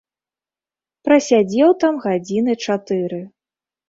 Прасядзеў там гадзіны чатыры.